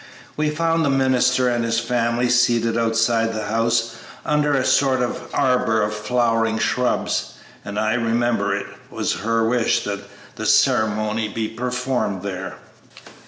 We found the minister and his family seated outside the house under a sort of arbor of flowering shrubs, and I remember it was her wish that the ceremony be performed there.